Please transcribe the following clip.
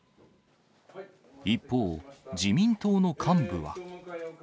一方、自民党の幹部は。